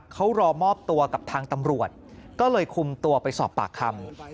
เขารอมอบตัวกับทางตำรวจก็เลยคุมตัวไปสอบปากคำ